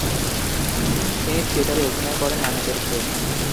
তিনি থিয়েটারে অভিনয় করেন নানা চরিত্রে।